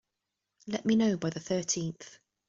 Let me know by the thirteenth.